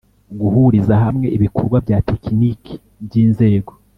Guhuriza hamwe ibikorwa bya tekiniki by inzego